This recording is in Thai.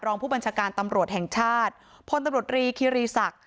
รองผู้บัญชาการตำรวจแห่งชาติพลตำรวจรีคิรีศักดิ์